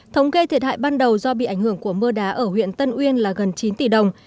thống kê thiệt hại ban đầu do bị ảnh hưởng của mưa đá ở huyện tân uyên là gần chín tỷ đồng